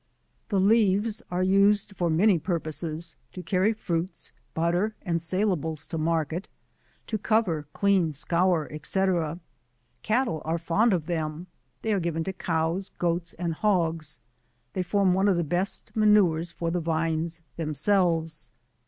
The leaves are used for many purposes, to carry fruits, butter, and saleables to market, to cover, clean, scour, &c. Cattle are fond of them : they are given to cows goats, and hogs. They form one of the best manures for the Vmes themselves.